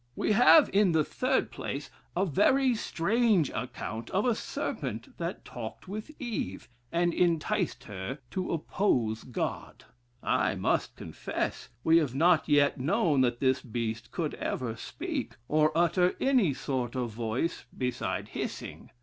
"We have, in the third place, a very strange account of a serpent that talked with Eve, and enticed her to oppose God. I must confess, we have not yet known that this beast could ever speak, or utter any sort of voice, beside hissing.